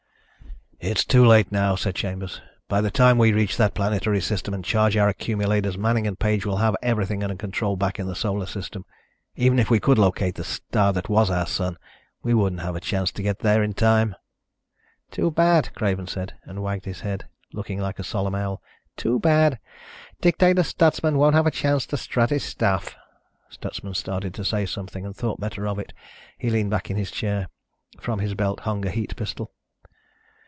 "It's too late now," said Chambers. "By the time we reach that planetary system and charge our accumulators, Manning and Page will have everything under control back in the Solar System. Even if we could locate the star that was our Sun, we wouldn't have a chance to get there in time." "Too bad," Craven said, and wagged his head, looking like a solemn owl. "Too bad. Dictator Stutsman won't have a chance to strut his stuff." Stutsman started to say something and thought better of it. He leaned back in his chair. From his belt hung a heat pistol.